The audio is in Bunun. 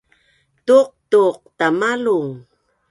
tuqtuq tamalung